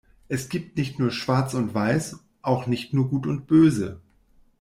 Es gibt nicht nur Schwarz und Weiß, auch nicht nur Gut und Böse.